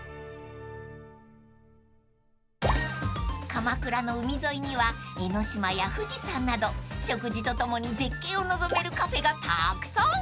［鎌倉の海沿いには江の島や富士山など食事と共に絶景を望めるカフェがたくさん］